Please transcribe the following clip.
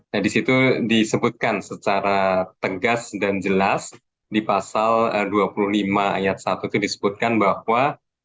nah disitu disebutkan secara tegas dan jelas di pasal dua puluh lima ayat satu itu disebutkan bahwa